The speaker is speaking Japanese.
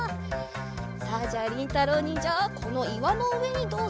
さあじゃありんたろうにんじゃこのいわのうえにどうぞ。